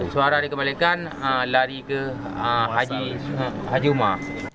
suara yang dikembalikan lari ke haji umar